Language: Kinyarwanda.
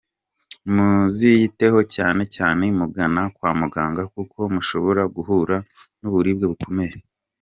Muziyiteho cyane cyane mugana kwa muganga kuko mushobora guhura n’uburibwe bukomeye.